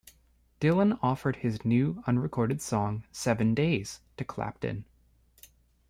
Dylan offered his new, unrecorded song "Seven Days" to Clapton.